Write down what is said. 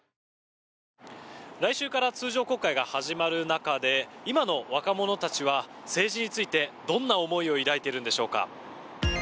来週から通常国会が始まる中で今の若者たちは政治についてどんな思いを抱いているんでしょうか。